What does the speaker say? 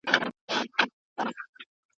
دغه پېغام ټولو ته ورسول سو.